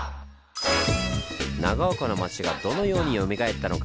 長岡の町がどのようによみがえったのか。